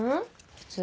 普通。